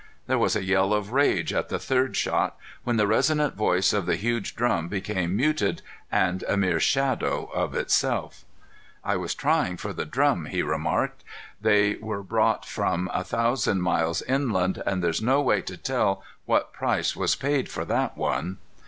There was a yell of rage at the third shot, when the resonant voice of the huge drum became muted and a mere shadow of itself. "I was trying for the drum," he remarked. "They were brought from a thousand miles inland, and there's no way to tell what price was paid for that one."